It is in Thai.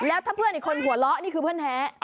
แล้วถ้าเพื่อนอีกคนหัวเราะนี่คือเพื่อนแท้